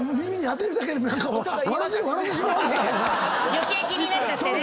余計気になっちゃってね。